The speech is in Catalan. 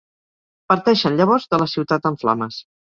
Parteixen llavors de la ciutat en flames.